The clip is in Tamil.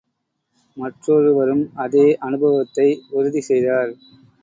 மற்றொருவரும் அதே அனுபவத்தை உறுதி செய்தார்.